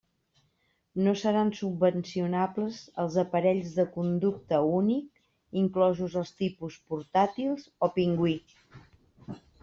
No seran subvencionables els aparells de conducte únic, inclosos els tipus portàtils o pingüí.